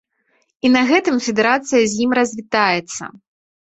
І на гэтым федэрацыя з ім развітаецца.